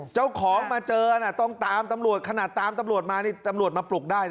เจ้าของมาเจอต้องตามตำรวจขนาดตามตำรวจมานี่ตำรวจมาปลุกได้